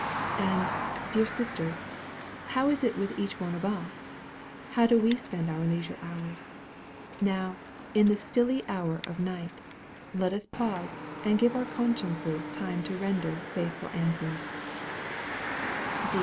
And, dear sisters, how is it with each one of us? How do we spend our leisure hours? Now, "in the stilly hour of night," let us pause, and give our consciences time to render faithful answers.